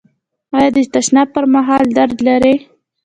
ایا د تشناب پر مهال درد لرئ؟